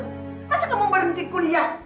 masa kamu berhenti kuliah